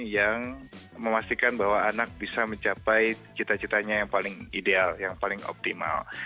yang memastikan bahwa anak bisa mencapai cita citanya yang paling ideal yang paling optimal